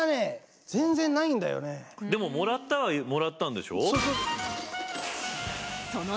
でももらったはもらったんでしょ？